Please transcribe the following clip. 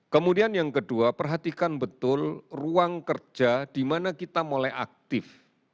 kemudian yang kedua perhatikan betul ruang kerja di mana kita mulai aktif